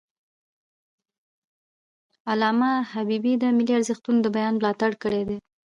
علامه حبیبي د ملي ارزښتونو د بیان ملاتړ کړی دی.